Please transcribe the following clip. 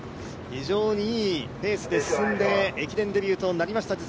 非常にいいペースで進んで駅伝デビューとなりました。